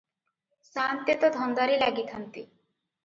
ସାଆନ୍ତେ ତ ଧନ୍ଦାରେ ଲାଗିଥାନ୍ତି ।